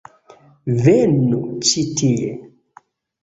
Venu ĉi tie